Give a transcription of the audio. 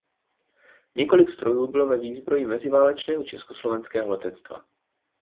Několik strojů bylo ve výzbroji meziválečného československého letectva.